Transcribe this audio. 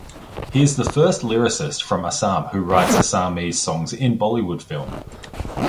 He is the first lyricist from Assam who writes Assamese songs in Bollywood film.